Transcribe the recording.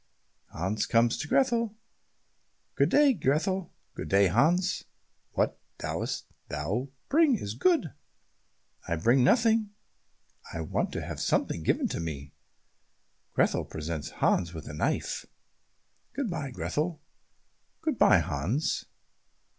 Hans comes to Grethel. "Good day, Grethel." "Good day, Hans. What dost thou bring that is good?" "I bring nothing; I want to have something given to me." Grethel presents Hans with a knife. "Good bye, Grethel." "Good bye Hans."